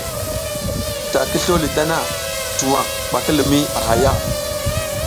Da ki slo li tana, tuwa ɓa ki limiy a hay a.